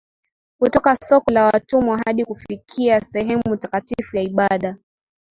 kutoka soko la Watumwa hadi kufikia sehemu takatifu ya ibada